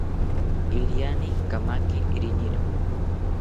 Iriani kamaki riniro